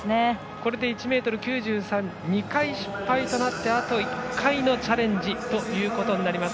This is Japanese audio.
これで１ｍ９３は２回失敗となってあと１回のチャレンジということになります。